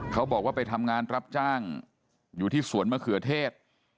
เขาบอกว่าไปทำงานรับจ้างอยู่ที่สวนมะเขือเทศ